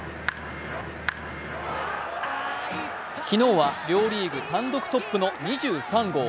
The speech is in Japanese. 昨日は両リーグ単独トップの２３号。